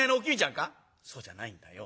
「そうじゃないんだよ。